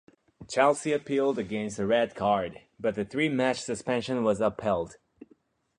Chelsea appealed against the red card, but the three-match suspension was upheld.